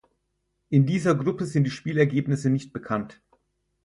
In dieser Gruppe sind die Spielergebnisse nicht bekannt.